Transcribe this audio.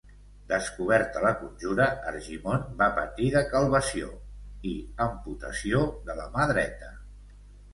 Descoberta la conjura Argimon va patir decalvació i amputació de la mà dreta.